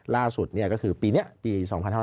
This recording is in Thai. ล่าสุดก็คือปีนี้ปี๒๕๕๙